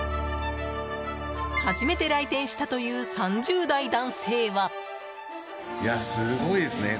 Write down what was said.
初めて来店したという３０代男性は。